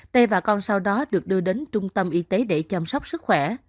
tê và con sau đó được đưa đến trung tâm y tế để chăm sóc sức khỏe